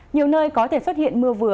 nhiều nơi có thể xuất hiện mưa vừa